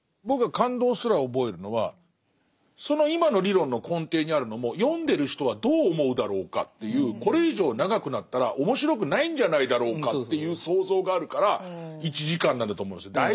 僕は感動すら覚えるのはその今の理論の根底にあるのも読んでる人はどう思うだろうかっていうこれ以上長くなったら面白くないんじゃないだろうかっていう想像があるから１時間なんだと思うんですよ。